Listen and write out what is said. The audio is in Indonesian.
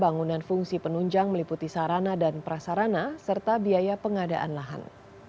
bangunan fungsi penunjang meliputi sarana dan prasarana serta biaya pengadaan lahan